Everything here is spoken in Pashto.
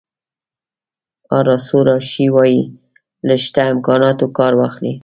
آرثور اشي وایي له شته امکاناتو کار واخلئ.